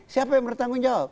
siapa yang bertanggung jawab